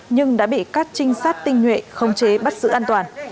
nhưng đã bị các trình sát tinh nhuệ khống chế bắt giữ an toàn